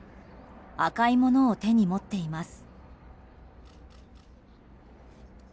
赤いものを手に持っています。